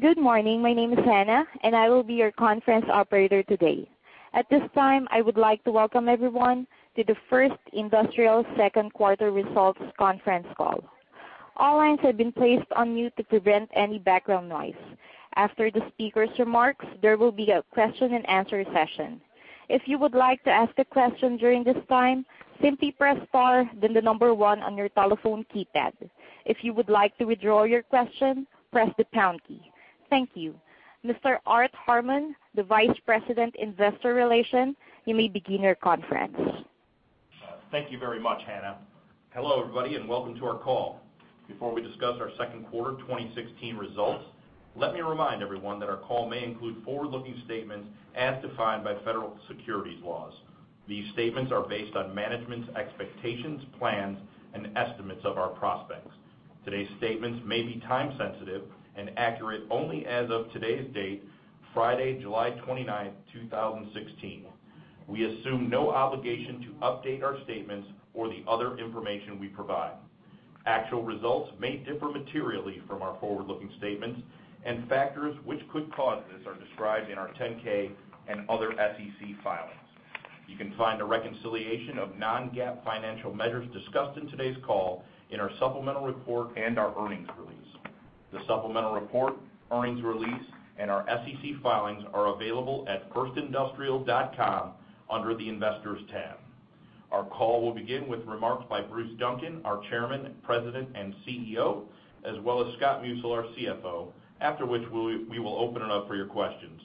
Good morning. My name is Hannah. I will be your conference operator today. At this time, I would like to welcome everyone to the First Industrial second quarter results conference call. All lines have been placed on mute to prevent any background noise. After the speaker's remarks, there will be a question and answer session. If you would like to ask a question during this time, simply press star then the number one on your telephone keypad. If you would like to withdraw your question, press the pound key. Thank you. Mr. Art Harmon, the Vice President, Investor Relations, you may begin your conference. Thank you very much, Hannah. Hello, everybody. Welcome to our call. Before we discuss our second quarter 2016 results, let me remind everyone that our call may include forward-looking statements as defined by federal securities laws. These statements are based on management's expectations, plans, and estimates of our prospects. Today's statements may be time sensitive and accurate only as of today's date, Friday, July 29, 2016. We assume no obligation to update our statements or the other information we provide. Actual results may differ materially from our forward-looking statements. Factors which could cause this are described in our 10-K and other SEC filings. You can find a reconciliation of non-GAAP financial measures discussed in today's call in our supplemental report and our earnings release. The supplemental report, earnings release, and our SEC filings are available at firstindustrial.com under the Investors tab. Our call will begin with remarks by Bruce Duncan, our Chairman, President, and CEO, as well as Scott Musil, our CFO, after which we will open it up for your questions.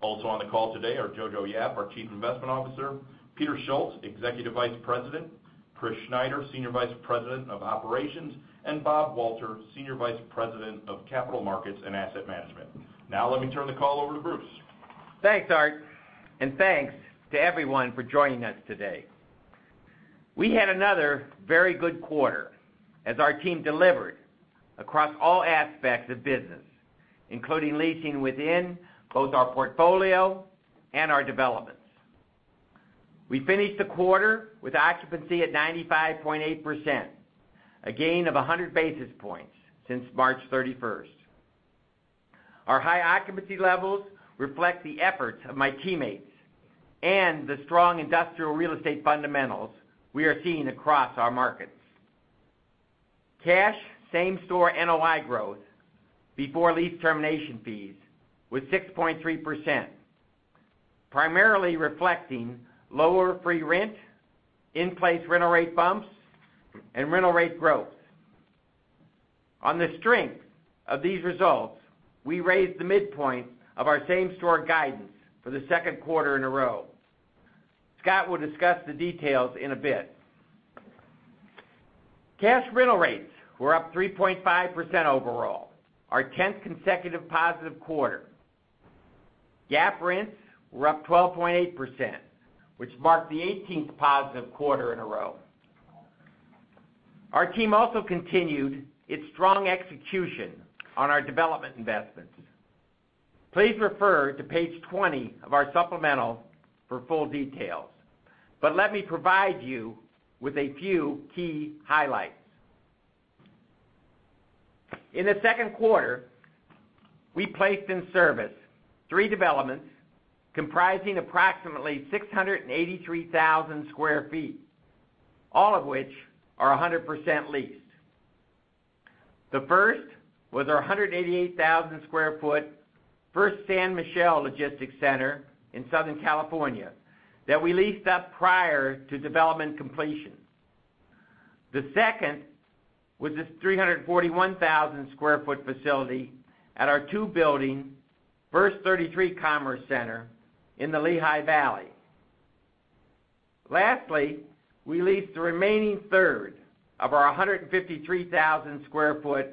Also on the call today are Jojo Yap, our Chief Investment Officer, Peter Schultz, Executive Vice President, Chris Schneider, Senior Vice President of Operations, and Bob Walter, Senior Vice President of Capital Markets and Asset Management. Let me turn the call over to Bruce. Thanks, Art. Thanks to everyone for joining us today. We had another very good quarter as our team delivered across all aspects of business, including leasing within both our portfolio and our developments. We finished the quarter with occupancy at 95.8%, a gain of 100 basis points since March 31st. Our high occupancy levels reflect the efforts of my teammates and the strong industrial real estate fundamentals we are seeing across our markets. Cash same store NOI growth before lease termination fees was 6.3%, primarily reflecting lower free rent, in-place rental rate bumps, and rental rate growth. On the strength of these results, we raised the midpoint of our same-store guidance for the second quarter in a row. Scott will discuss the details in a bit. Cash rental rates were up 3.5% overall, our tenth consecutive positive quarter. GAAP rents were up 12.8%, which marked the 18th positive quarter in a row. Our team also continued its strong execution on our development investments. Please refer to page 20 of our supplemental for full details. Let me provide you with a few key highlights. In the second quarter, we placed in service three developments comprising approximately 683,000 sq ft, all of which are 100% leased. The first was our 188,000 sq ft First San Michele Logistics Center in Southern California that we leased up prior to development completion. The second was this 341,000 sq ft facility at our two-building, First 33 Commerce Center in the Lehigh Valley. Lastly, we leased the remaining third of our 153,000 sq ft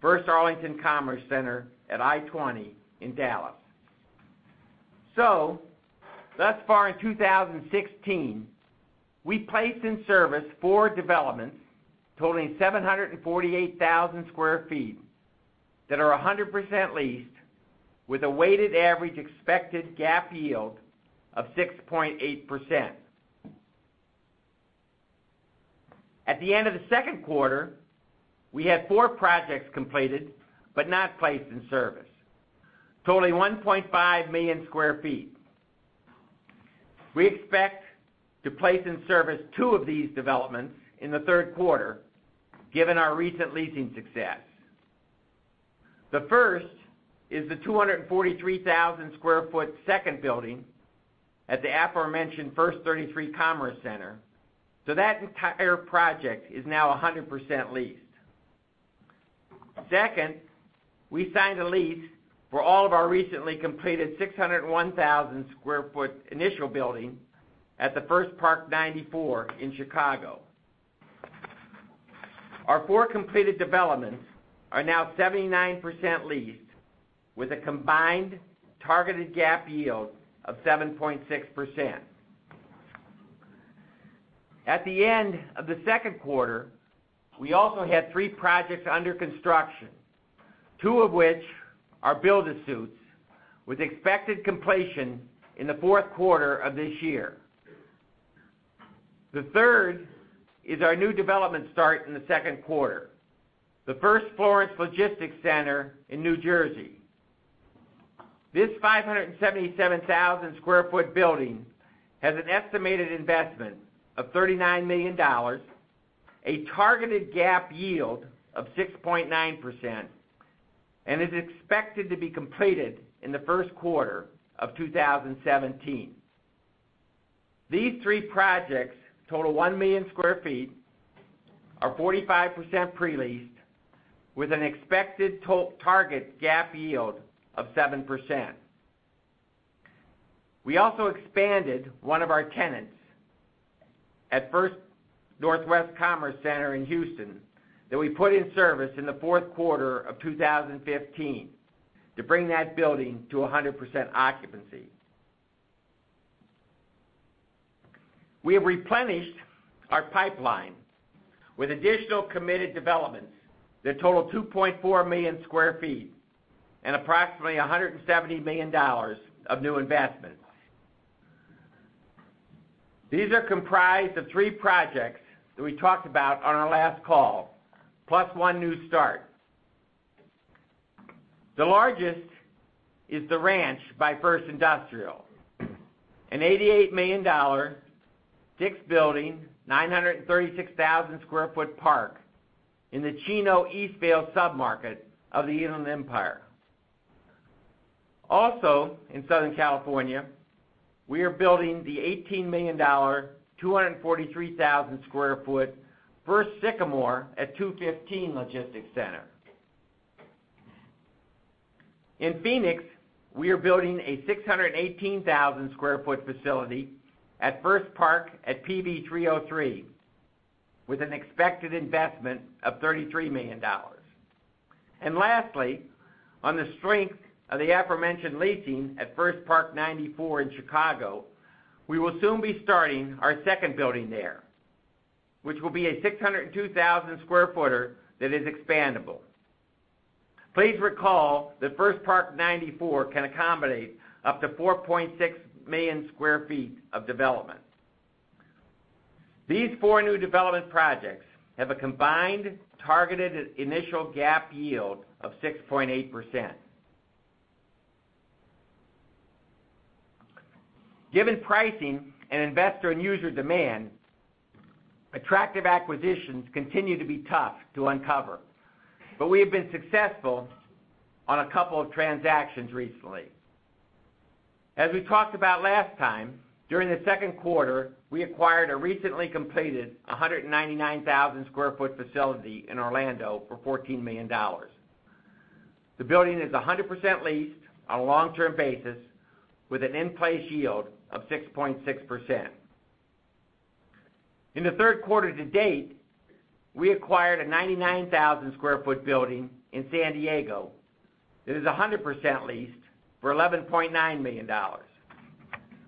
First Arlington Commerce Center @ I-20 in Dallas. Thus far in 2016, we placed in service four developments totaling 748,000 sq ft that are 100% leased with a weighted average expected GAAP yield of 6.8%. At the end of the second quarter, we had four projects completed but not placed in service, totaling 1.5 million sq ft. We expect to place in service two of these developments in the third quarter, given our recent leasing success. The first is the 243,000 sq ft second building at the aforementioned First 33 Commerce Center, that entire project is now 100% leased. Second, we signed a lease for all of our recently completed 601,000 sq ft initial building at the First Park 94 in Chicago. Our four completed developments are now 79% leased with a combined targeted GAAP yield of 7.6%. At the end of the second quarter, we also had three projects under construction, two of which are build-to-suits, with expected completion in the fourth quarter of this year. The third is our new development start in the second quarter, the First Florence Logistics Center in New Jersey. This 577,000 sq ft building has an estimated investment of $39 million, a targeted GAAP yield of 6.9%, and is expected to be completed in the first quarter of 2017. These three projects total 1 million sq ft, are 45% pre-leased with an expected target GAAP yield of 7%. We also expanded one of our tenants at First Northwest Commerce Center in Houston that we put in service in the fourth quarter of 2015 to bring that building to 100% occupancy. We have replenished our pipeline with additional committed developments that total 2.4 million sq ft and approximately $170 million of new investments. These are comprised of three projects that we talked about on our last call, plus one new start. The largest is The Ranch by First Industrial, an $88 million six-building, 936,000 sq ft park in the Chino-Eastvale submarket of the Inland Empire. Also in Southern California, we are building the $18 million 243,000 sq ft First Sycamore 215 Logistics Center. In Phoenix, we are building a 618,000 sq ft facility at First Park @ PV 303, with an expected investment of $33 million. Lastly, on the strength of the aforementioned leasing at First Park 94 in Chicago, we will soon be starting our second building there, which will be a 602,000 square footer that is expandable. Please recall that First Park 94 can accommodate up to 4.6 million square feet of development. These four new development projects have a combined targeted initial GAAP yield of 6.8%. Given pricing and investor and user demand, attractive acquisitions continue to be tough to uncover, but we have been successful on a couple of transactions recently. As we talked about last time, during the second quarter, we acquired a recently completed 199,000 square foot facility in Orlando for $14 million. The building is 100% leased on a long-term basis with an in-place yield of 6.6%. In the third quarter to date, we acquired a 99,000 square foot building in San Diego that is 100% leased for $11.9 million.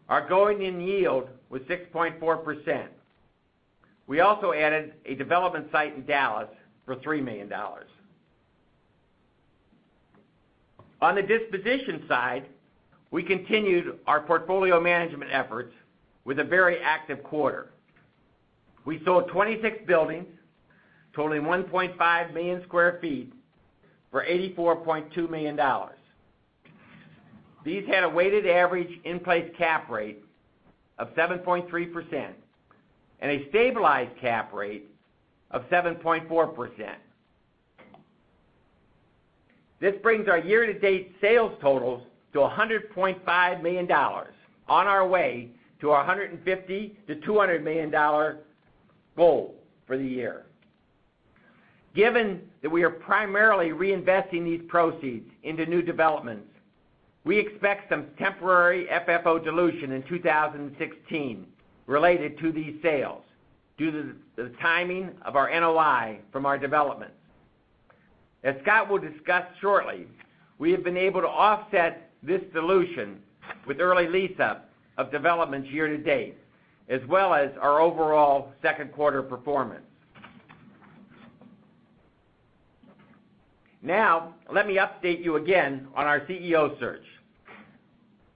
Our going-in yield was 6.4%. We also added a development site in Dallas for $3 million. On the disposition side, we continued our portfolio management efforts with a very active quarter. We sold 26 buildings totaling 1.5 million square feet for $84.2 million. These had a weighted average in-place cap rate of 7.3% and a stabilized cap rate of 7.4%. This brings our year-to-date sales totals to $100.5 million on our way to our $150 million-$200 million goal for the year. Given that we are primarily reinvesting these proceeds into new developments, we expect some temporary FFO dilution in 2016 related to these sales due to the timing of our NOI from our developments. As Scott Musil will discuss shortly, we have been able to offset this dilution with early lease up of developments year to date, as well as our overall second quarter performance. Let me update you again on our CEO search.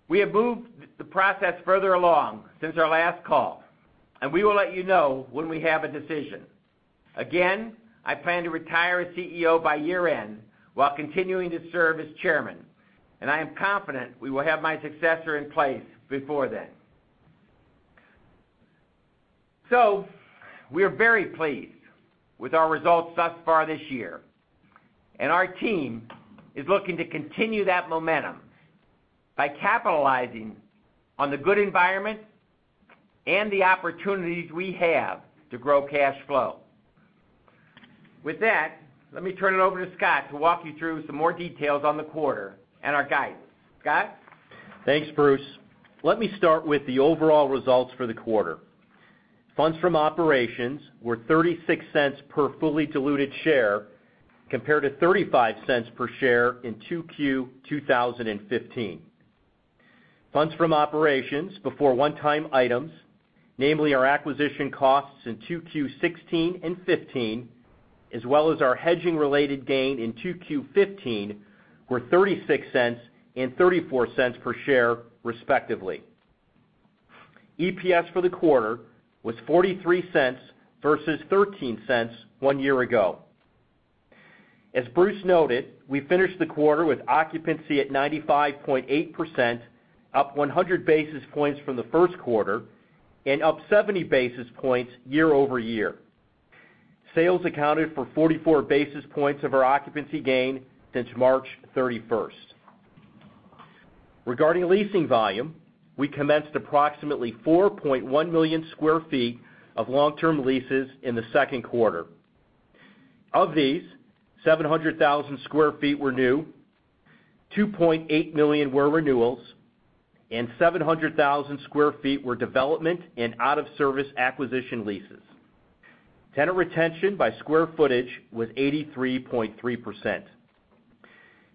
We have moved the process further along since our last call, we will let you know when we have a decision. Again, I plan to retire as CEO by year-end while continuing to serve as chairman, I am confident we will have my successor in place before then. We are very pleased with our results thus far this year, our team is looking to continue that momentum by capitalizing on the good environment and the opportunities we have to grow cash flow. With that, let me turn it over to Scott Musil to walk you through some more details on the quarter and our guidance. Scott Musil? Thanks, Bruce Duncan. Let me start with the overall results for the quarter. Funds from operations were $0.36 per fully diluted share compared to $0.35 per share in 2Q 2015. Funds from operations before one-time items, namely our acquisition costs in 2Q 2016 and 2015 As well as our hedging-related gain in 2Q 2015, were $0.36 and $0.34 per share, respectively. EPS for the quarter was $0.43 versus $0.13 one year ago. As Bruce Duncan noted, we finished the quarter with occupancy at 95.8%, up 100 basis points from the first quarter and up 70 basis points year-over-year. Sales accounted for 44 basis points of our occupancy gain since March 31st. Regarding leasing volume, we commenced approximately 4.1 million square feet of long-term leases in the second quarter. Of these, 700,000 square feet were new, 2.8 million were renewals, 700,000 square feet were development and out-of-service acquisition leases. Tenant retention by square footage was 83.3%.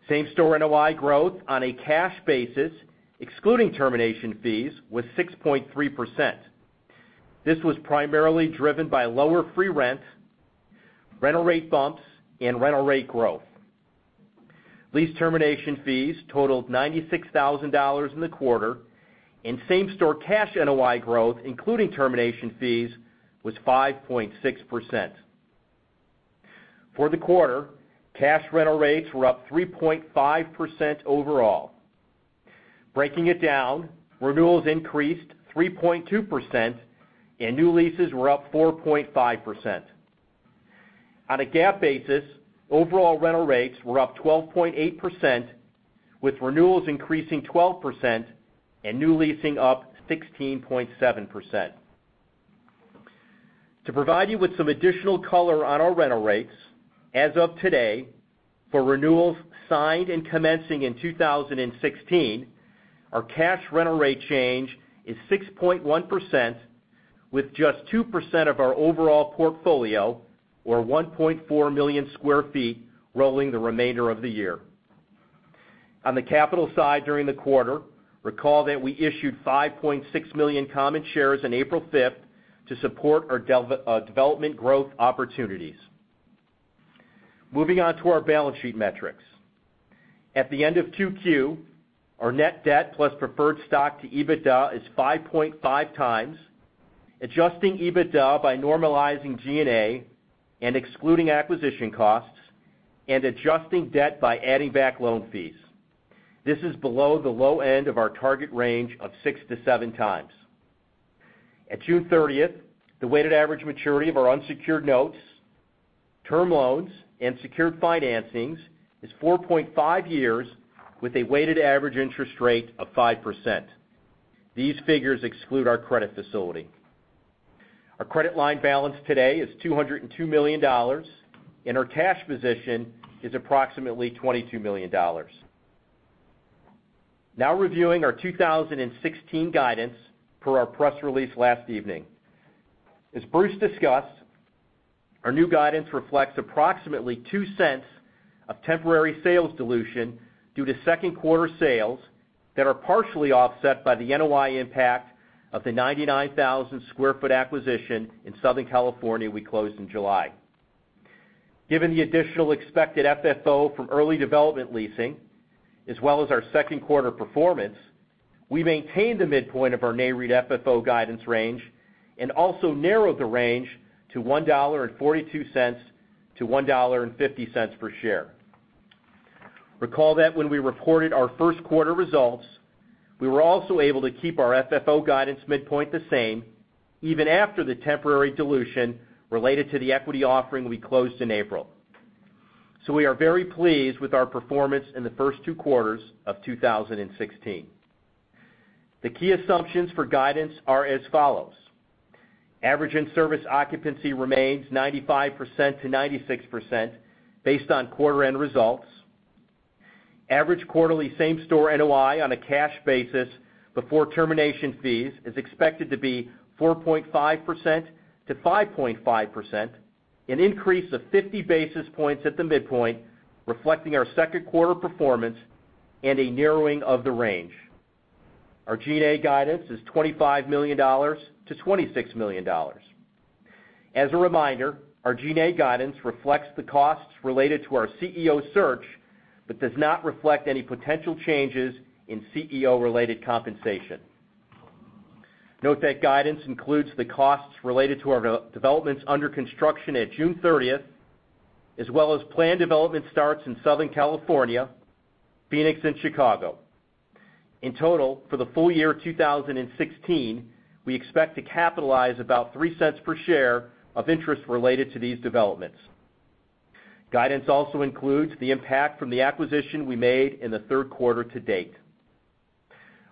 Same-store NOI growth on a cash basis, excluding termination fees, was 6.3%. This was primarily driven by lower free rent, rental rate bumps, and rental rate growth. Lease termination fees totaled $96,000 in the quarter, and same-store cash NOI growth, including termination fees, was 5.6%. For the quarter, cash rental rates were up 3.5% overall. Breaking it down, renewals increased 3.2%, and new leases were up 4.5%. On a GAAP basis, overall rental rates were up 12.8%, with renewals increasing 12% and new leasing up 16.7%. To provide you with some additional color on our rental rates, as of today, for renewals signed and commencing in 2016, our cash rental rate change is 6.1%, with just 2% of our overall portfolio, or 1.4 million square feet, rolling the remainder of the year. On the capital side during the quarter, recall that we issued 5.6 million common shares on April 5th to support our development growth opportunities. Moving on to our balance sheet metrics. At the end of 2Q, our net debt plus preferred stock to EBITDA is 5.5 times, adjusting EBITDA by normalizing G&A and excluding acquisition costs, and adjusting debt by adding back loan fees. This is below the low end of our target range of six to seven times. At June 30th, the weighted average maturity of our unsecured notes, term loans, and secured financings is 4.5 years, with a weighted average interest rate of 5%. These figures exclude our credit facility. Our credit line balance today is $202 million, and our cash position is approximately $22 million. Now reviewing our 2016 guidance per our press release last evening. As Bruce discussed, our new guidance reflects approximately $0.02 of temporary sales dilution due to second quarter sales that are partially offset by the NOI impact of the 99,000 square foot acquisition in Southern California we closed in July. Given the additional expected FFO from early development leasing, as well as our second quarter performance, we maintained the midpoint of our NAREIT FFO guidance range and also narrowed the range to $1.42 to $1.50 per share. Recall that when we reported our first quarter results, we were also able to keep our FFO guidance midpoint the same, even after the temporary dilution related to the equity offering we closed in April. We are very pleased with our performance in the first two quarters of 2016. The key assumptions for guidance are as follows. Average in-service occupancy remains 95%-96%, based on quarter-end results. Average quarterly same-store NOI on a cash basis before termination fees is expected to be 4.5%-5.5%, an increase of 50 basis points at the midpoint, reflecting our second quarter performance and a narrowing of the range. Our G&A guidance is $25 million-$26 million. As a reminder, our G&A guidance reflects the costs related to our CEO search, but does not reflect any potential changes in CEO-related compensation. Note that guidance includes the costs related to our developments under construction at June 30th, as well as planned development starts in Southern California, Phoenix, and Chicago. In total, for the full year 2016, we expect to capitalize about $0.03 per share of interest related to these developments. Guidance also includes the impact from the acquisition we made in the third quarter to date.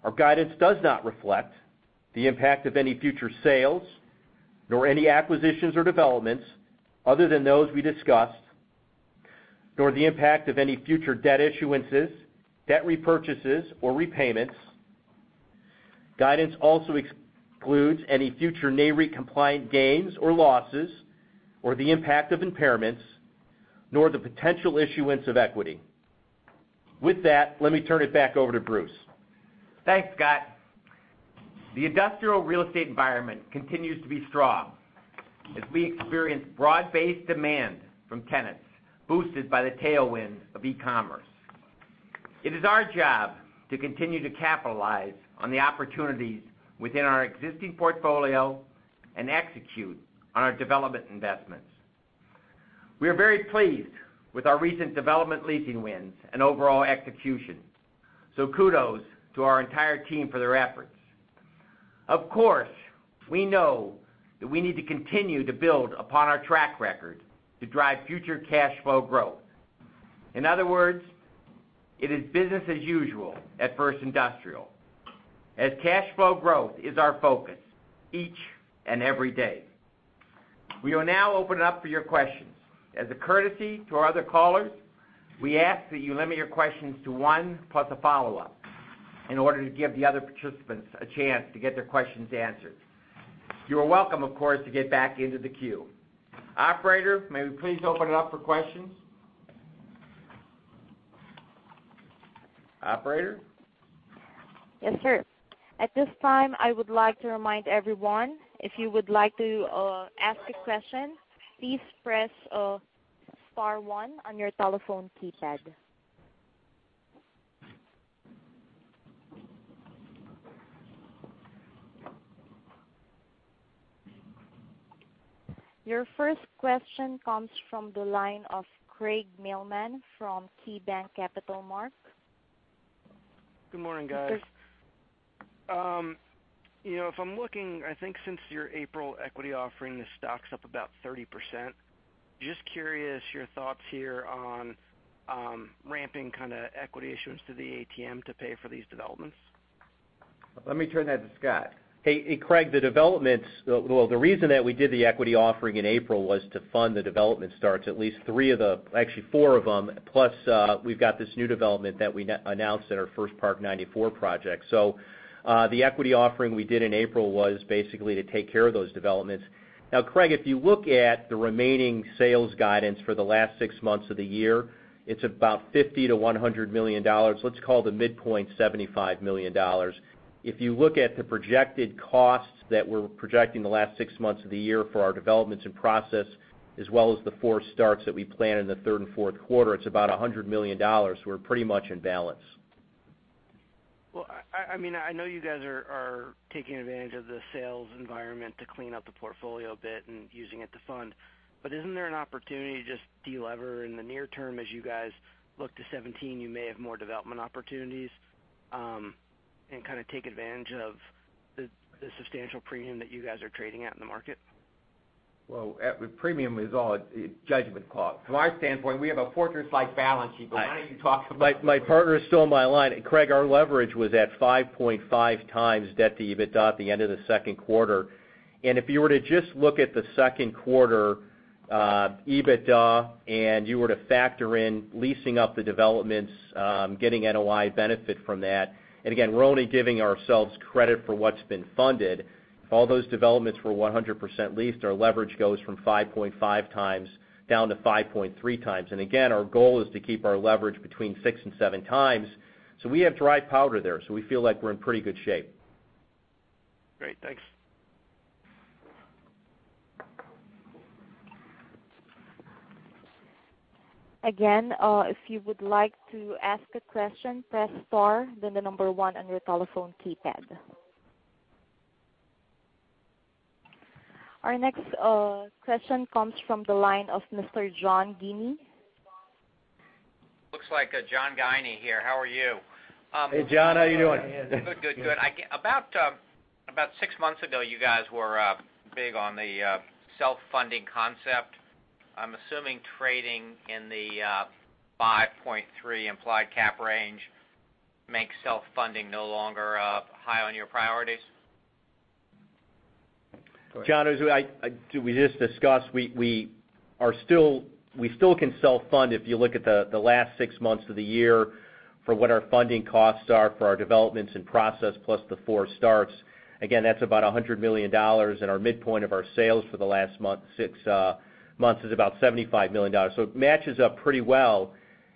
Our guidance does not reflect the impact of any future sales, nor any acquisitions or developments other than those we discussed, nor the impact of any future debt issuances, debt repurchases, or repayments. Guidance also excludes any future NAREIT-compliant gains or losses, or the impact of impairments, nor the potential issuance of equity. With that, let me turn it back over to Bruce. Thanks, Scott. The industrial real estate environment continues to be strong as we experience broad-based demand from tenants, boosted by the tailwind of e-commerce. It is our job to continue to capitalize on the opportunities within our existing portfolio and execute on our development investments. We are very pleased with our recent development leasing wins and overall execution. Kudos to our entire team for their efforts. Of course, we know that we need to continue to build upon our track record to drive future cash flow growth. In other words, it is business as usual at First Industrial, as cash flow growth is our focus each and every day. We will now open it up for your questions. As a courtesy to our other callers, we ask that you limit your questions to one plus a follow-up in order to give the other participants a chance to get their questions answered. You are welcome, of course, to get back into the queue. Operator, may we please open it up for questions? Operator? Yes, sir. At this time, I would like to remind everyone, if you would like to ask a question, please press star one on your telephone keypad. Your first question comes from the line of Craig Mailman from KeyBanc Capital Markets. Good morning, guys. Good morning. If I'm looking, I think since your April equity offering, the stock's up about 30%. Just curious your thoughts here on ramping equity issuance to the ATM to pay for these developments. Let me turn that to Scott. Hey, Craig. The reason that we did the equity offering in April was to fund the development starts, actually, four of them, plus we've got this new development that we announced at our First Park 94 project. The equity offering we did in April was basically to take care of those developments. Craig, if you look at the remaining sales guidance for the last six months of the year, it's about $50 million-$100 million. Let's call the midpoint $75 million. If you look at the projected costs that we're projecting the last six months of the year for our developments in process, as well as the four starts that we plan in the third and fourth quarter, it's about $100 million. We're pretty much in balance. Well, I know you guys are taking advantage of the sales environment to clean up the portfolio a bit and using it to fund. Isn't there an opportunity to just de-lever in the near term as you guys look to 2017, you may have more development opportunities, and kind of take advantage of the substantial premium that you guys are trading at in the market? Well, premium is all a judgment call. From our standpoint, we have a fortress-like balance sheet. Why don't you talk about that? My partner is still on my line. Craig, our leverage was at 5.5 times debt to EBITDA at the end of the second quarter. If you were to just look at the second quarter EBITDA, and you were to factor in leasing up the developments, getting NOI benefit from that, and again, we're only giving ourselves credit for what's been funded. If all those developments were 100% leased, our leverage goes from 5.5 times down to 5.3 times. Again, our goal is to keep our leverage between six and seven times. We have dry powder there, so we feel like we're in pretty good shape. Great. Thanks. Again, if you would like to ask a question, press star then the number one on your telephone keypad. Our next question comes from the line of Mr. John Guiney. Looks like John Guiney here. How are you? Hey, John. How you doing? Good. About six months ago, you guys were big on the self-funding concept. I'm assuming trading in the 5.3 implied cap range makes self-funding no longer high on your priorities. John, as we just discussed, we still can self-fund if you look at the last six months of the year for what our funding costs are for our developments in process, plus the four starts. Again, that's about $100 million, and our midpoint of our sales for the last six months is about $75 million. It matches up pretty well.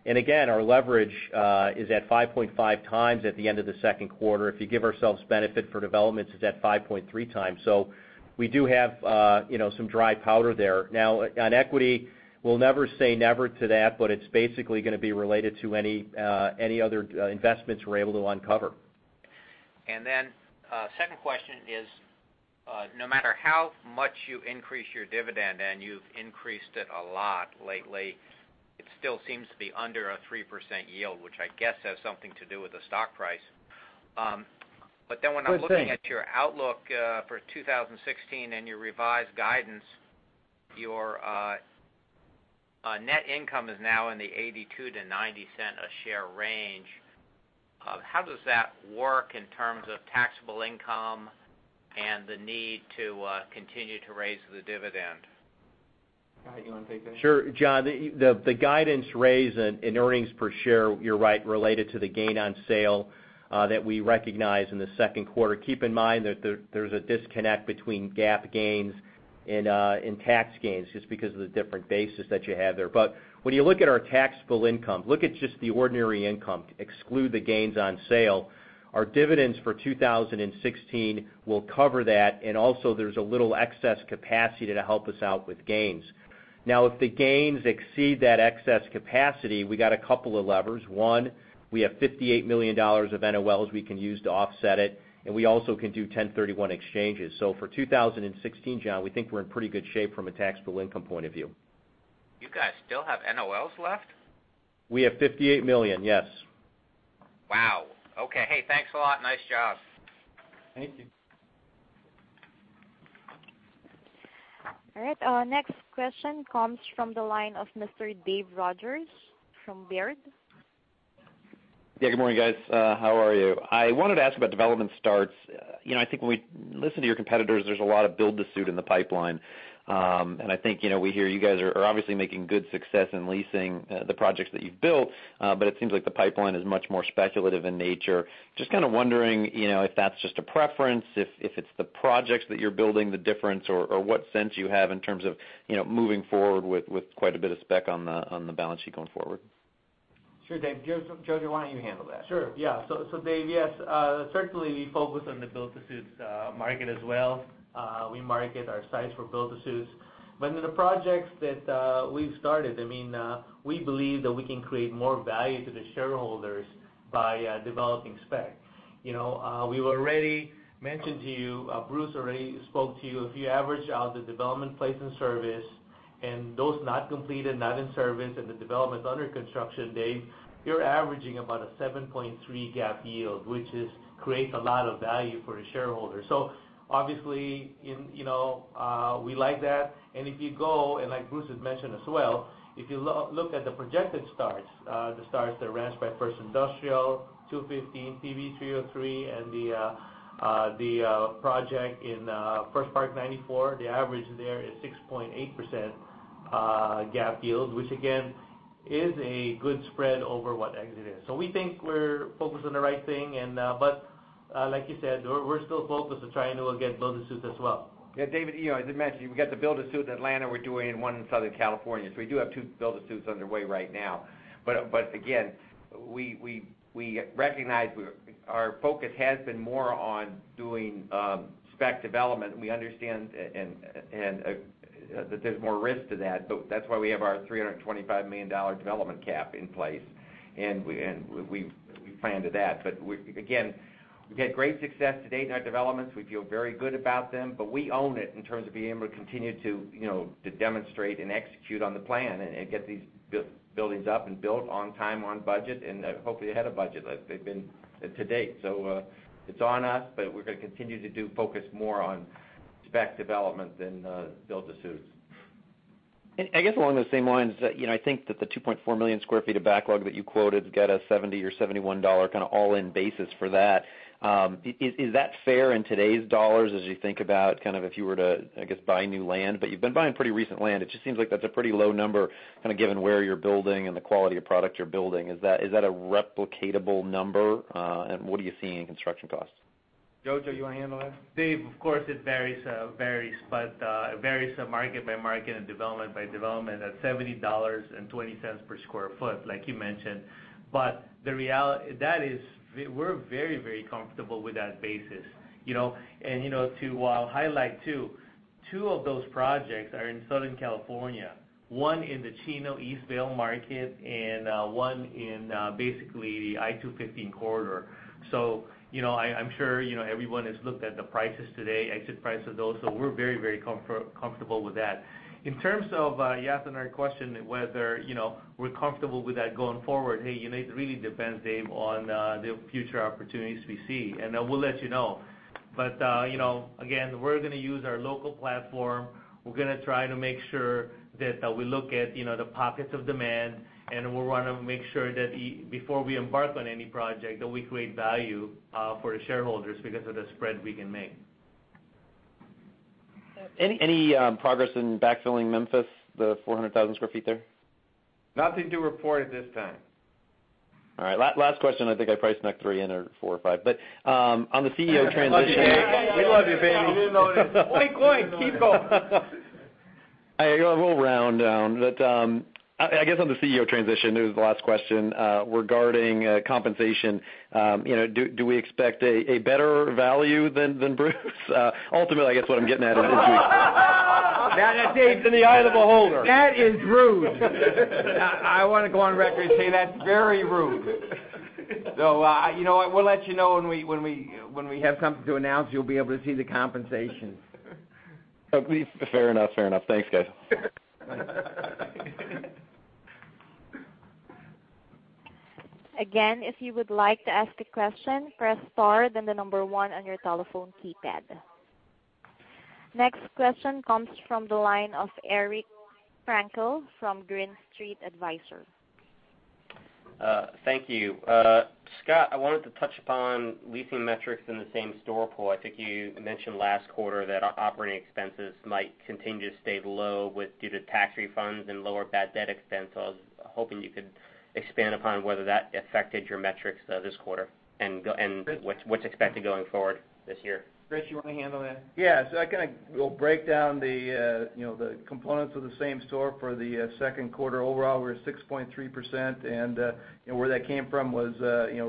Again, our leverage is at 5.5 times at the end of the second quarter. If you give ourselves benefit for developments, it's at 5.3 times. We do have some dry powder there. On equity, we'll never say never to that. It's basically going to be related to any other investments we're able to uncover. Second question is, no matter how much you increase your dividend, and you've increased it a lot lately, it still seems to be under a 3% yield, which I guess has something to do with the stock price. Good thing. When I'm looking at your outlook for 2016 and your revised guidance, your net income is now in the $0.82 to $0.90 a share range, how does that work in terms of taxable income and the need to continue to raise the dividend? Scott, you want to take that? Sure. John, the guidance raise in earnings per share, you're right, related to the gain on sale that we recognized in the second quarter. Keep in mind that there's a disconnect between GAAP gains and tax gains, just because of the different bases that you have there. When you look at our taxable income, look at just the ordinary income. Exclude the gains on sale. Our dividends for 2016 will cover that, and also there's a little excess capacity to help us out with gains. Now, if the gains exceed that excess capacity, we got a couple of levers. One, we have $58 million of NOLs we can use to offset it, and we also can do 1031 exchanges. For 2016, John, we think we're in pretty good shape from a taxable income point of view. You guys still have NOLs left? We have $58 million, yes. Wow, okay. Hey, thanks a lot. Nice job. Thank you. All right. Our next question comes from the line of Mr. Dave Rodgers from Baird. Yeah, good morning, guys. How are you? I wanted to ask about development starts. I think, when we listen to your competitors, there's a lot of build-to-suit in the pipeline. We hear you guys are obviously making good success in leasing the projects that you've built. It seems like the pipeline is much more speculative in nature. Just kind of wondering if that's just a preference, if it's the projects that you're building, the difference, or what sense you have in terms of moving forward with quite a bit of spec on the balance sheet going forward. Sure, Dave. Jojo, why don't you handle that? Sure. Yeah. Dave, yes. Certainly, we focus on the build-to-suit market as well. We market our sites for build-to-suits. In the projects that we've started, we believe that we can create more value to the shareholders by developing spec. We've already mentioned to you, Bruce already spoke to you. If you average out the development placed in service and those not completed, not in service, and the developments under construction, Dave, you're averaging about a 7.3 GAAP yield, which creates a lot of value for the shareholders. Obviously, we like that. If you go, and like Bruce has mentioned as well, if you look at the projected starts, the starts at The Ranch by First Industrial, 215, PV 303, and the project in First Park 94, the average there is 6.8% GAAP yield, which again, is a good spread over what exit is. We think we're focused on the right thing. Like you said, we're still focused to try and to get build-to-suit as well. Yeah, Dave, as I mentioned, we've got the build-to-suit in Atlanta we're doing, one in Southern California. We do have two build-to-suits underway right now. Again, we recognize our focus has been more on doing spec development. We understand that there's more risk to that. That's why we have our $325 million development cap in place, and we've planned to that. Again, we've had great success to date in our developments. We feel very good about them, but we own it in terms of being able to continue to demonstrate and execute on the plan and get these buildings up and built on time, on budget, and hopefully ahead of budget. They've been to date. It's on us, but we're going to continue to focus more on spec development than build-to-suits. I guess along those same lines, I think that the 2.4 million square feet of backlog that you quoted got a $70 or $71 kind of all-in basis for that. Is that fair in today's dollars as you think about kind of if you were to, I guess, buy new land? You've been buying pretty recent land. It just seems like that's a pretty low number, kind of given where you're building and the quality of product you're building. Is that a replicatable number? What are you seeing in construction costs? Jojo, you want to handle that? Dave, of course, it varies. It varies by market by market and development by development at $70.20 per sq ft, like you mentioned. We're very comfortable with that basis. To highlight, too, two of those projects are in Southern California, one in the Chino-Eastvale market and one in basically the I-215 corridor. I'm sure everyone has looked at the prices today, exit prices of those. We're very comfortable with that. In terms of, you asked another question whether we're comfortable with that going forward. Hey, it really depends, Dave, on the future opportunities we see, and we'll let you know. Again, we're going to use our local platform. We're going to try to make sure that we look at the pockets of demand. We want to make sure that before we embark on any project, that we create value for the shareholders because of the spread we can make. Any progress in backfilling Memphis, the 400,000 sq ft there? Nothing to report at this time. All right. Last question. I think I probably snuck three in or four or five. On the CEO transition- We love you, Dave. We love you, Dave. We didn't notice. Keep going. Keep going. I'll roll round. I guess on the CEO transition, it was the last question, regarding compensation. Do we expect a better value than Bruce? Ultimately, I guess what I'm getting at. Now that's it. It's in the eye of the beholder. That is rude. I want to go on record and say that's very rude. We'll let you know when we have something to announce. You'll be able to see the compensation. Fair enough. Thanks, guys. If you would like to ask a question, press star, then the number one on your telephone keypad. Next question comes from the line of Eric Frankel from Green Street Advisors. Thank you. Scott, I wanted to touch upon leasing metrics in the same-store pool. I think you mentioned last quarter that operating expenses might continue to stay low due to tax refunds and lower bad debt expense. I was hoping you could expand upon whether that affected your metrics this quarter, and what's expected going forward this year. Chris, you want to handle that? Yeah. I kind of will break down the components of the same store for the second quarter. Overall, we're at 6.3%, and where that came from was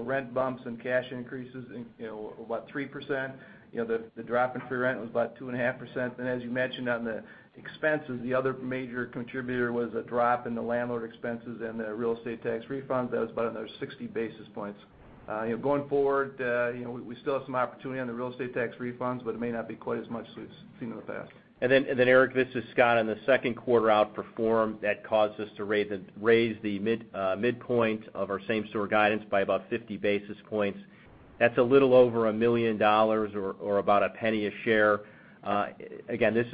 rent bumps and cash increases, about 3%. The drop in free rent was about 2.5%. As you mentioned on the expenses, the other major contributor was a drop in the landlord expenses and the real estate tax refunds. That was about another 60 basis points. Going forward, we still have some opportunity on the real estate tax refunds, it may not be quite as much as we've seen in the past. Eric, this is Scott. On the second quarter outperform, that caused us to raise the midpoint of our same-store guidance by about 50 basis points. That's a little over $1 million or about $0.01 a share. Again, this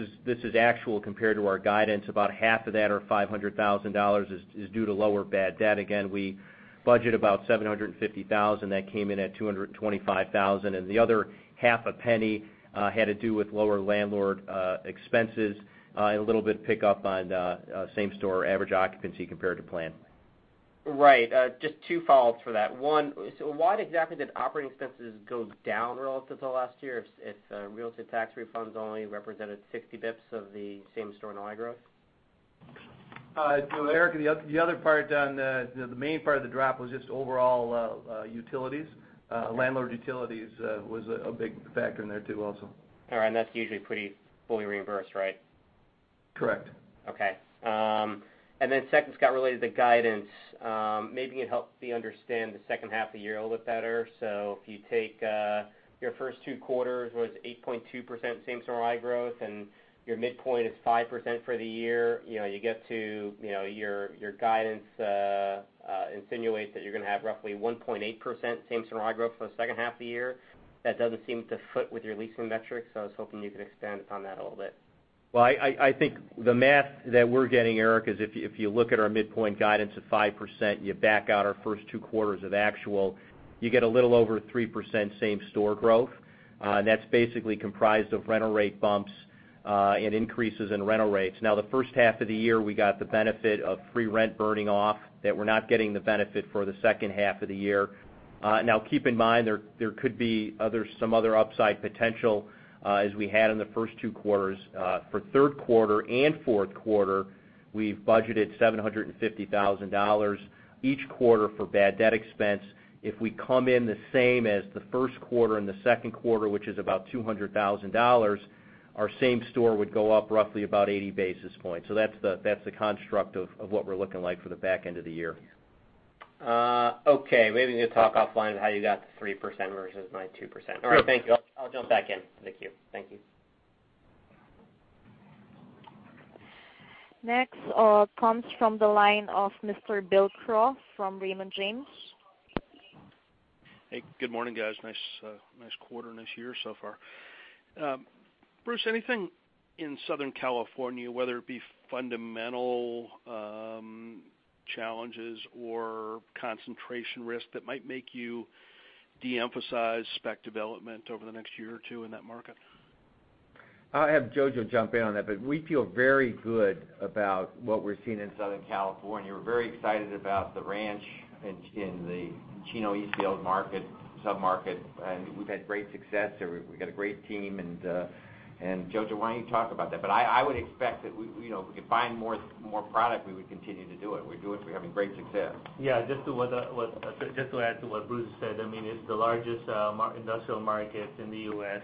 is actual compared to our guidance. About half of that, or $500,000, is due to lower bad debt. Again, we budget about $750,000. That came in at $225,000. The other $0.005 had to do with lower landlord expenses, a little bit pick up on same-store average occupancy compared to plan. Right. Just two follow-ups for that. One, why exactly did operating expenses go down relative to last year if real estate tax refunds only represented 60 basis points of the same-store NOI growth? Eric, the main part of the drop was just overall utilities. Landlord utilities was a big factor in there too, also. All right, that's usually pretty fully reimbursed, right? Correct. Okay. Second, Scott, related to guidance. Maybe it helps me understand the second half of the year a little bit better. If you take your first two quarters was 8.2% same-store NOI growth, your midpoint is 5% for the year, your guidance insinuates that you're going to have roughly 1.8% same-store NOI growth for the second half of the year. That doesn't seem to fit with your leasing metrics, I was hoping you could expand upon that a little bit. Well, I think the math that we're getting, Eric, is if you look at our midpoint guidance of 5%, you back out our first two quarters of actual, you get a little over 3% same-store growth. That's basically comprised of rental rate bumps and increases in rental rates. Now, the first half of the year, we got the benefit of free rent burning off that we're not getting the benefit for the second half of the year. Now, keep in mind, there could be some other upside potential as we had in the first two quarters. For third quarter and fourth quarter, we've budgeted $750,000 each quarter for bad debt expense. If we come in the same as the first quarter and the second quarter, which is about $200,000, our same store would go up roughly about 80 basis points. That's the construct of what we're looking like for the back end of the year. Okay. Maybe we can talk offline how you got to 3% versus my 2%. All right, thank you. I'll jump back in the queue. Thank you. Next comes from the line of Mr. Bill Crow from Raymond James. Hey, good morning, guys. Nice quarter, nice year so far. Bruce, anything in Southern California, whether it be fundamental challenges or concentration risk that might make you de-emphasize spec development over the next year or two in that market? I'll have Jojo jump in on that, but we feel very good about what we're seeing in Southern California. We're very excited about The Ranch in the Chino-Eastvale submarket, and we've had great success there. We've got a great team. Jojo, why don't you talk about that? I would expect that if we could find more product, we would continue to do it. We're doing it. We're having great success. Yeah, just to add to what Bruce said, it's the largest industrial market in the U.S.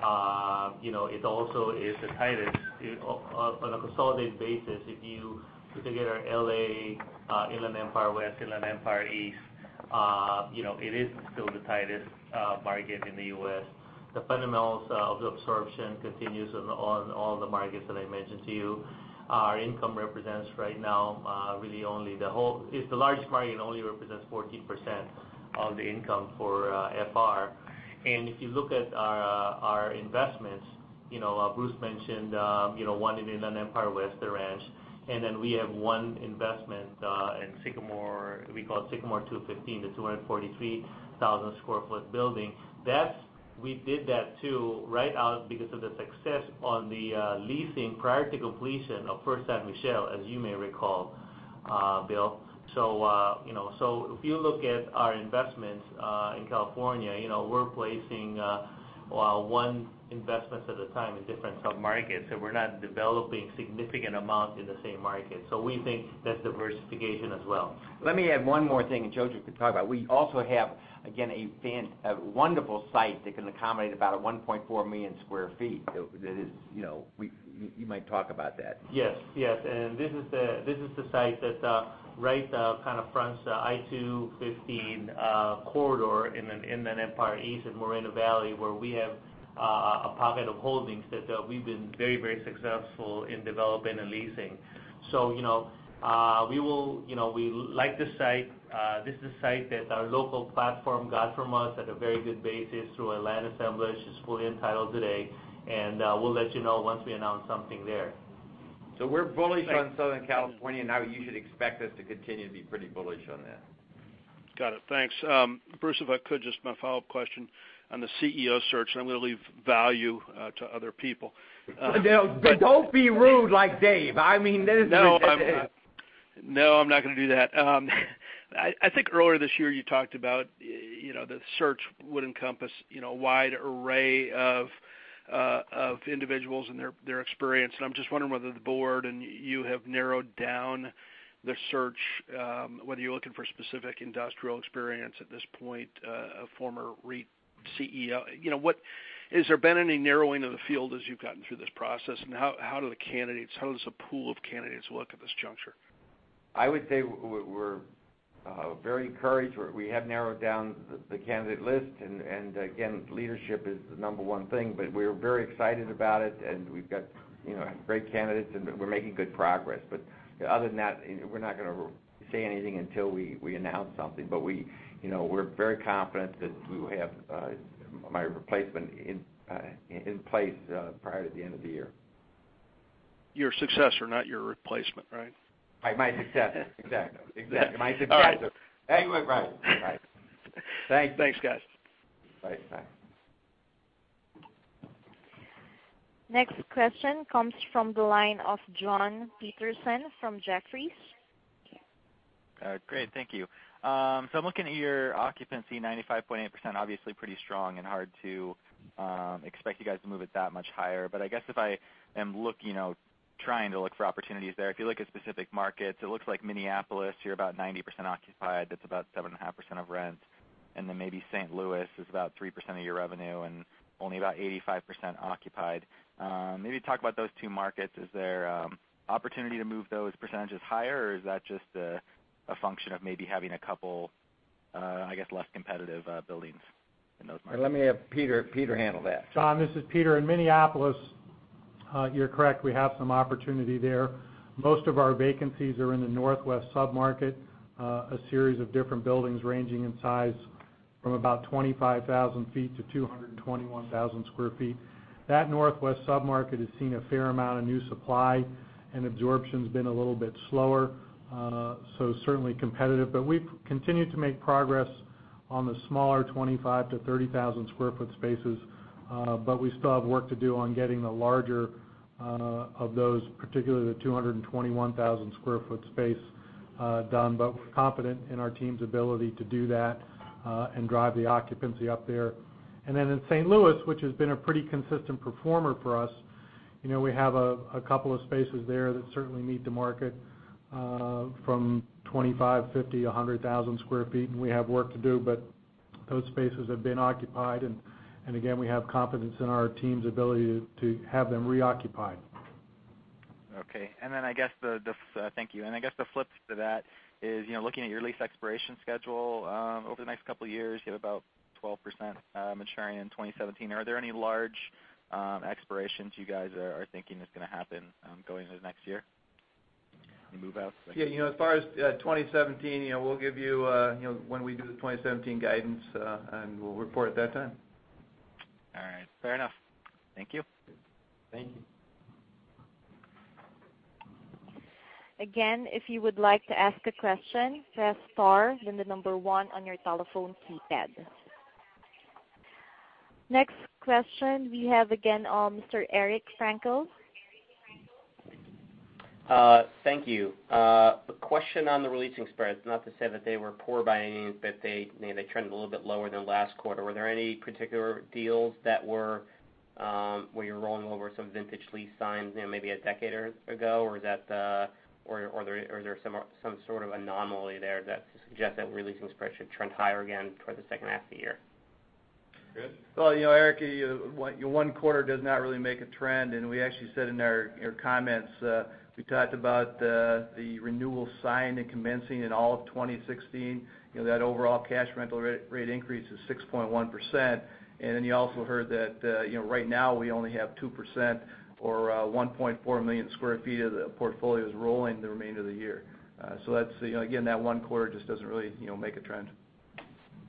It also is the tightest on a consolidated basis. If you put together L.A., Inland Empire West, Inland Empire East, it is still the tightest market in the U.S. The fundamentals of the absorption continues on all the markets that I mentioned to you. Our income represents right now, really only the whole. It's the largest market, it only represents 14% of the income for FR. If you look at our investments, Bruce mentioned one in Inland Empire West, The Ranch, and then we have one investment in Sycamore. We call it Sycamore 215. That's a 243,000 sq ft building. We did that too, right out because of the success on the leasing prior to completion of First San Michele, as you may recall, Bill. If you look at our investments in California, we're placing one investment at a time in different submarkets, so we're not developing significant amounts in the same market. We think that's diversification as well. Let me add one more thing, and Jojo can talk about it. We also have, again, a wonderful site that can accommodate about 1.4 million sq ft. You might talk about that. Yes. This is the site that right kind of fronts the I-215 corridor in the Inland Empire East in Moreno Valley, where we have a pocket of holdings that we've been very successful in developing and leasing. We like the site. This is a site that our local platform got from us at a very good basis through a land assemblage. It's fully entitled today, we'll let you know once we announce something there. We're bullish on Southern California, now you should expect us to continue to be pretty bullish on that. Got it. Thanks. Bruce, if I could, just my follow-up question on the CEO search, I'm going to leave value to other people. Don't be rude like Dave. No, I'm not going to do that. I think earlier this year, you talked about the search would encompass a wide array of individuals and their experience, and I'm just wondering whether the board and you have narrowed down the search, whether you're looking for specific industrial experience at this point, a former REIT CEO. Has there been any narrowing of the field as you've gotten through this process, and how does the pool of candidates look at this juncture? I would say we're very encouraged. We have narrowed down the candidate list, and again, leadership is the number one thing, but we're very excited about it, and we've got great candidates, and we're making good progress. Other than that, we're not going to say anything until we announce something. We're very confident that we will have my replacement in place prior to the end of the year. Your successor, not your replacement, right? My successor. Exactly. My successor. All right. Anyway, right. Thanks. Thanks, guys. Bye, thanks. Next question comes from the line of Jon Petersen from Jefferies. Great. Thank you. I'm looking at your occupancy, 95.8%, obviously pretty strong and hard to expect you guys to move it that much higher. I guess if I am trying to look for opportunities there, if you look at specific markets, it looks like Minneapolis, you're about 90% occupied. That's about 7.5% of rent. And then maybe St. Louis is about 3% of your revenue and only about 85% occupied. Maybe talk about those two markets. Is there opportunity to move those percentages higher, or is that just a function of maybe having a couple, I guess, less competitive buildings in those markets? Let me have Peter handle that. Jon, this is Peter. In Minneapolis, you're correct. We have some opportunity there. Most of our vacancies are in the Northwest sub-market, a series of different buildings ranging in size from about 25,000 feet to 221,000 square feet. That Northwest sub-market has seen a fair amount of new supply, and absorption's been a little bit slower, so certainly competitive. We've continued to make progress on the smaller 25 to 30,000 square foot spaces. We still have work to do on getting the larger of those, particularly the 221,000 square foot space done. We're confident in our team's ability to do that and drive the occupancy up there. In St. Louis, which has been a pretty consistent performer for us, we have a couple of spaces there that certainly need to market from 25,000, 50,000, 100,000 square feet, and we have work to do, but those spaces have been occupied, and again, we have confidence in our team's ability to have them reoccupied. Okay. Thank you. I guess the flip to that is, looking at your lease expiration schedule over the next couple of years, you have about 12% maturing in 2017. Are there any large expirations you guys are thinking is going to happen going into next year? Any move outs? Yeah. As far as 2017, we'll give you when we do the 2017 guidance, and we'll report at that time. All right. Fair enough. Thank you. Thank you. Again, if you would like to ask a question, press star, the number 1 on your telephone keypad. Next question we have again, Mr. Eric Frankel. Thank you. A question on the releasing spreads, not to say that they were poor by any means, but they trended a little bit lower than last quarter. Were there any particular deals that were rolling over some vintage lease signed maybe a decade ago, or is there some sort of anomaly there that suggests that releasing spreads should trend higher again towards the second half of the year? Chris? Well, Eric, one quarter does not really make a trend. We actually said in our comments, we talked about the renewals signed and commencing in all of 2016. That overall cash rental rate increase is 6.1%. You also heard that right now, we only have 2% or 1.4 million sq ft of the portfolio is rolling the remainder of the year. Again, that one quarter just doesn't really make a trend.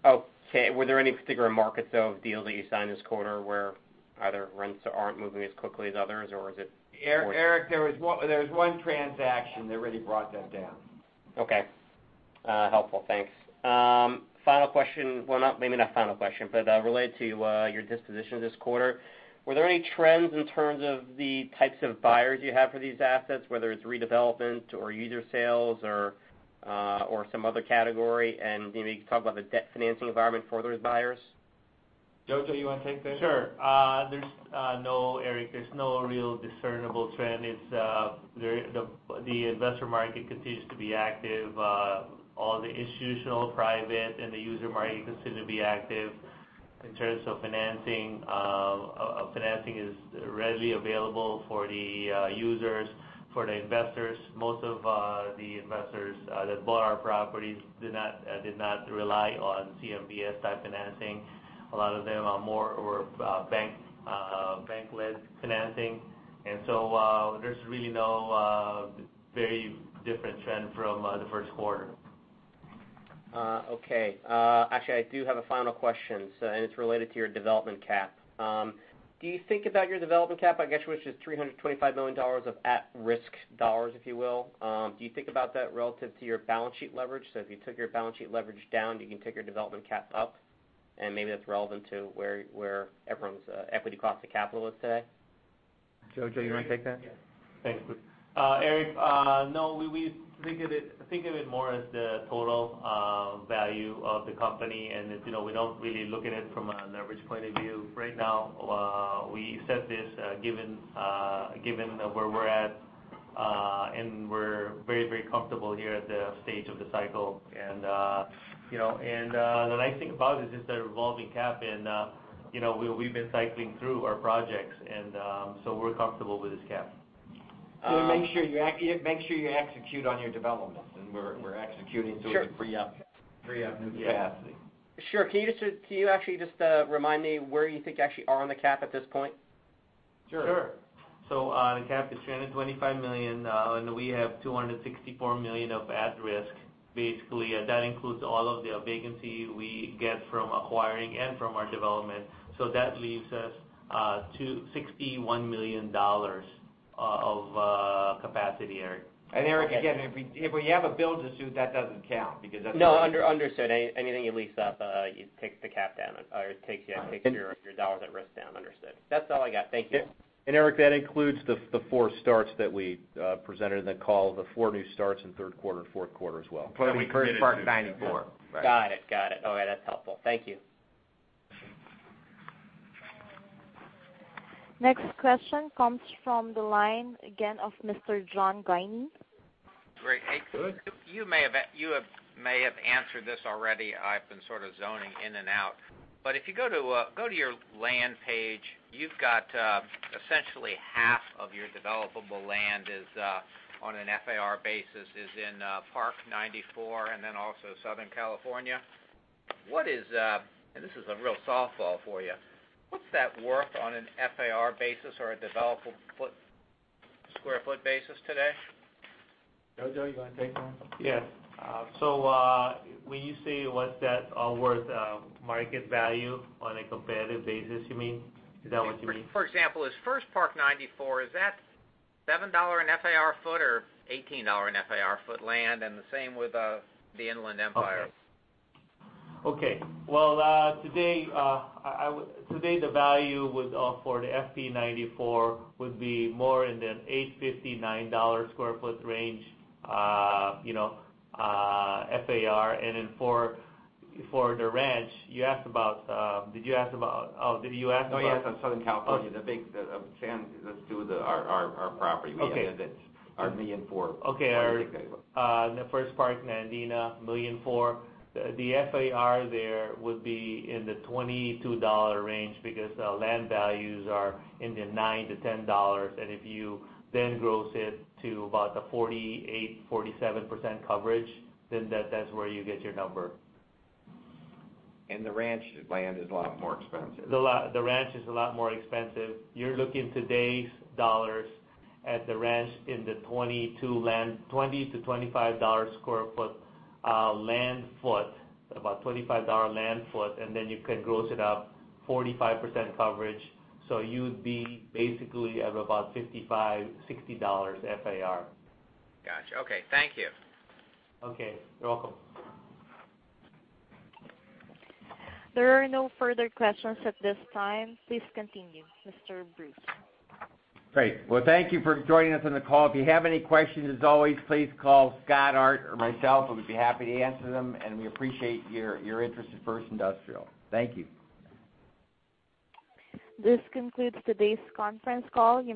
Okay. Were there any particular markets, though, of deals that you signed this quarter where either rents aren't moving as quickly as others, or is it- Eric, there was one transaction that really brought that down. Okay. Helpful. Thanks. Final question. Well, maybe not final question, but related to your disposition this quarter. Were there any trends in terms of the types of buyers you have for these assets, whether it's redevelopment or user sales or some other category? Maybe talk about the debt financing environment for those buyers. Jojo, you want to take that? Sure, Eric. There's no real discernible trend. The investor market continues to be active. All the institutional, private, and the user market continue to be active. In terms of financing is readily available for the users, for the investors. Most of the investors that bought our properties did not rely on CMBS-type financing. A lot of them are more bank-led financing. There's really no very different trend from the first quarter. Okay. Actually, I do have a final question. It's related to your development cap. Do you think about your development cap, I guess, which is $325 million of at-risk dollars, if you will? Do you think about that relative to your balance sheet leverage? If you took your balance sheet leverage down, you can take your development cap up, maybe that's relevant to where everyone's equity cost of capital is today. Jojo, you want to take that? Yes. Thanks, Bruce. Eric, no, we think of it more as the total value of the company. We don't really look at it from a leverage point of view right now. We set this given where we're at. We're very comfortable here at the stage of the cycle. The nice thing about it is the revolving cap. We've been cycling through our projects. We're comfortable with this cap. Make sure you execute on your developments, and we're executing to free up new capacity. Sure. Can you actually just remind me where you think you actually are on the cap at this point? Sure. The cap is $325 million, and we have $264 million of at risk. That includes all of the vacancy we get from acquiring and from our development. That leaves us to $61 million of capacity, Eric. Eric, again, if we have a build-to-suit, that doesn't count because. No, understood. Anything you lease up, it takes the cap down or takes your dollars at risk down. Understood. That's all I got. Thank you. Eric, that includes the four starts that we presented in the call, the four new starts in third quarter, and fourth quarter as well. Plus we purchased Park 94. Got it. Okay, that's helpful. Thank you. Next question comes from the line again of Mr. John Guiney. Great. Hey. Good. You may have answered this already. I've been sort of zoning in and out. If you go to your land page, you've got essentially half of your developable land on an FAR basis is in Park 94 and also Southern California. This is a real softball for you. What's that worth on an FAR basis or a developable square foot basis today? Jojo, you want to take that one? Yes. When you say what's that worth, market value on a competitive basis, you mean? Is that what you mean? For example, is First Park 94, is that $7 an FAR foot or $18 an FAR foot land? The same with the Inland Empire. Okay. Well, today, the value for the FP94 would be more in the $8.50-$9 square foot range FAR. For The Ranch, did you ask about- No, I asked on Southern California, the big 762, our property. Okay. We have our $1 million for what we think that is worth. Okay. In the First Park, Nandina, $1.4 million. The FAR there would be in the $22 range because land values are in the $9 to $10. If you then gross it to about the 48%, 47% coverage, then that's where you get your number. The Ranch land is a lot more expensive. The Ranch is a lot more expensive. You're looking today's dollars at The Ranch in the $20-$25 square foot land foot, about $25 land foot, and then you can gross it up 45% coverage. You'd be basically at about $55, $60 FAR. Got you. Okay. Thank you. Okay. You're welcome. There are no further questions at this time. Please continue, Mr. Bruce. Great. Well, thank you for joining us on the call. If you have any questions, as always, please call Scott, Art, or myself, and we'd be happy to answer them. We appreciate your interest in First Industrial. Thank you. This concludes today's conference call. You may.